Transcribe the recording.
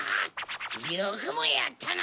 よくもやったな！